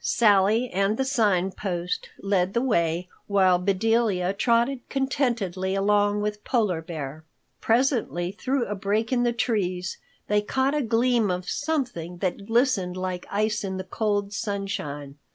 Sally and the Sign Post led the way, while Bedelia trotted contentedly along with the Polar Bear. Presently through a break in the trees they caught a gleam of something that glistened like ice in the cold sunshine.